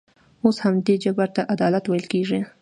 اوس همدې جبر ته عدالت ویل کېږي.